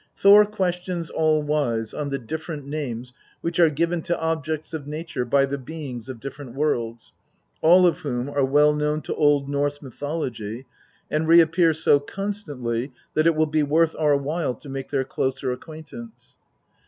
Thor questions All wise on the different names which are given to objects of nature by the beings of different worlds, all of whom are well known to Old Norse mythology, and reappear so constantly that it will be worth our while to make their closer acquaintance.